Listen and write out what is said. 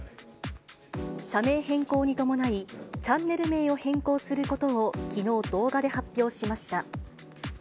社名変更に伴い、チャンネル名を変更することをきのう、動画で発表しました。